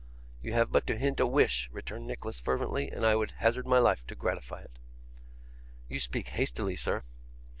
'You have but to hint a wish,' returned Nicholas fervently, 'and I would hazard my life to gratify it.' 'You speak hastily, sir.